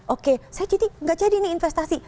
oke saya jadi nggak jadi ini investasi